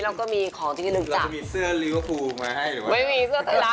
เราจะมีเสื้อหรือพูลค่ะ